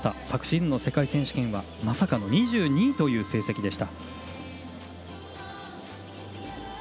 昨シーズンの世界選手権はまさかの２２位という成績でした。